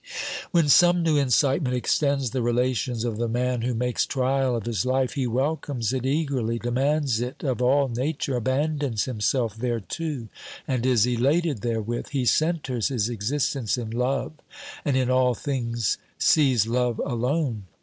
When some new incitement extends the relations of the man who makes trial of his life, he welcomes it eagerly, demands it of all Nature, abandons himself thereto and is elated therewith ; he centres his existence in love, and in all things sees love alone.